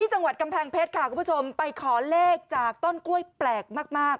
จังหวัดกำแพงเพชรค่ะคุณผู้ชมไปขอเลขจากต้นกล้วยแปลกมาก